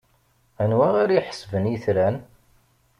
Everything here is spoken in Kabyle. Anwa ara iḥesben itran?